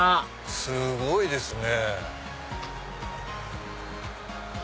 すごいですね。